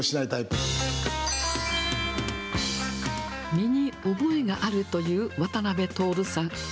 身に覚えがあるという渡辺徹さん。